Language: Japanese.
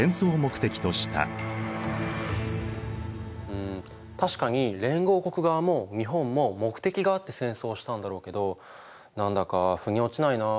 うん確かに連合国側も日本も目的があって戦争をしたんだろうけど何だかふに落ちないなあ。